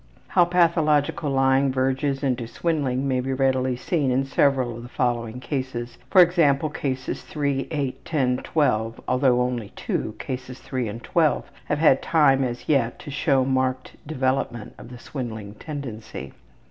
How pathological lying verges into swindling may be readily seen in several of the following cases, e.g., Cases 3, 8, 10, 12, although only two, Cases 3 and 12, have had time as yet to show marked development of the swindling tendency.